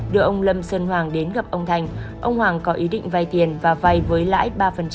đưa ông lâm sơn hoàng đến gặp ông thành ông hoàng có ý định vay tiền và vay với lãi ba